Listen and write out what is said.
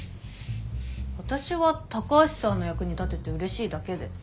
私は高橋さんの役に立てて嬉しいだけで。